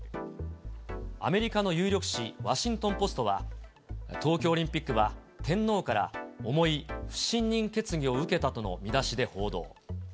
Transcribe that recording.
アメリカの有力紙、ワシントンポストは、東京オリンピックは天皇から重い不信任決議を受けたとの見出しで報道。